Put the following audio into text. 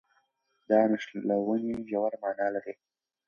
دا نښلونې ژوره مانا لري.